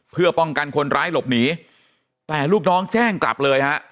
เพื่อป้องกันคนร้ายหลบหนีแต่ลูกน้องแจ้งกลับเลยฮะ